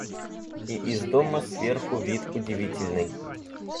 И из дома, сверху, вид удивительный.